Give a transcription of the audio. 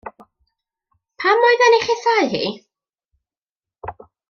Pam oedd e'n ei chasáu hi?